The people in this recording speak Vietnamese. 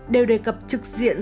đều đề cập trực diện